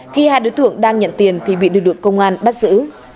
khi hai đối tượng đang nhận tiền thì bị đưa được công an bắt giữ